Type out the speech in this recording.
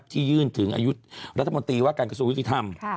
ที่ยื่นถึงอายุรัฐมนตรีว่าการกระทรวงยุติธรรม